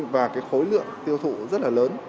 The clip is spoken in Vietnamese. và khối lượng tiêu thụ rất là lớn